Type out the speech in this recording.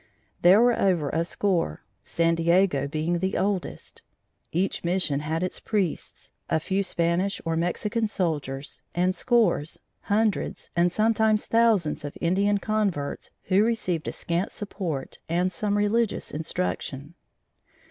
There were over a score, San Diego being the oldest. Each mission had its priests, a few Spanish or Mexican soldiers, and scores, hundreds and sometimes thousands of Indian converts who received a scant support and some religious instruction.